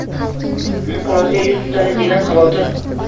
inqirozga yuz tutadi degan xavotir.